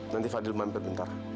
nanti fadil memimpin bentar